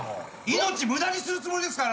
命無駄にするつもりですか？